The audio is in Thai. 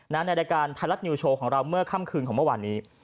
ในรายการไทยรัฐนิวโชว์ของเราเมื่อค่ำคืนของเมื่อวานนี้